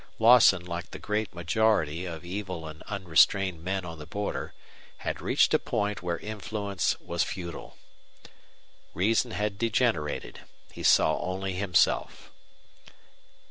Lawson, like the great majority of evil and unrestrained men on the border, had reached a point where influence was futile. Reason had degenerated. He saw only himself.